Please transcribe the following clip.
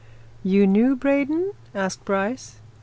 "You knew Braden?" asked Bryce.